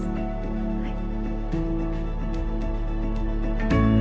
はい。